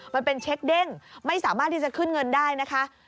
มันเป็นเช็คเด้งไม่สามารถที่จะขึ้นเงินได้นะคะ